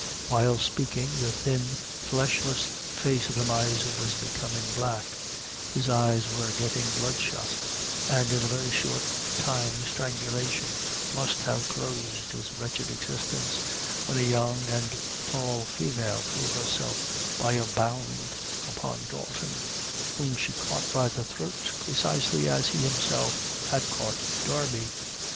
While speaking, the thin fleshless face of the miser was becoming black his eyes were getting blood shot, and, in a very short time, strangulation must have closed his wretched existence, when a young and tall female threw herself by a bound upon Dalton, whom she caught by the throat, precisely as he himself had caught Darby.